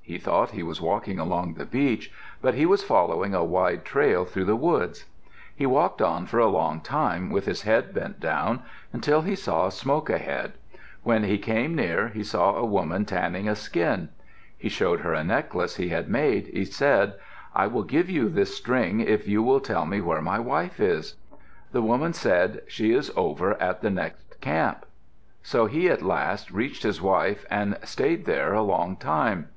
He thought he was walking along the beach, but he was following a wide trail through the woods. He walked on for a long time with his head bent down, until he saw smoke ahead. When he came near he saw a woman tanning a skin. He showed her a necklace he had made. He said, "I will give you this string if you will tell me where my wife is." The woman said, "She is over at the next camp." So he at last reached his wife and stayed there a long time.